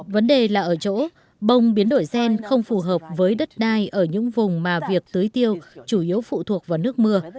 vấn đề là ở chỗ bông biến đổi gen không phù hợp với đất đai ở những vùng mà việc tưới tiêu chủ yếu phụ thuộc vào nước mưa